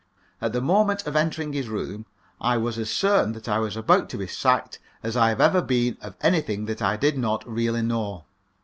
At the moment of entering his room I was as certain that I was about to be sacked as I have ever been of anything that I did not really know.